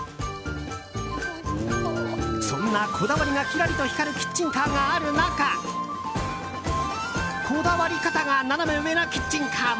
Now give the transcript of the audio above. そんなこだわりがキラリと光るキッチンカーがある中こだわり方がナナメ上なキッチンカーも。